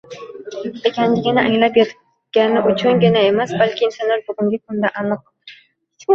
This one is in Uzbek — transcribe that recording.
ekanligini anglab yetgani uchungina emas, balki insonlar bugungi kunda aniq